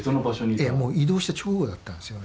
ええもう異動した直後だったんですよね。